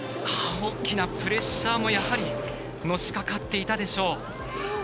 大きなプレッシャーもやはりのしかかっていたでしょう。